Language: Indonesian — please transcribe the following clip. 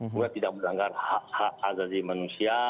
buat tidak berlanggar hak hak azazi manusia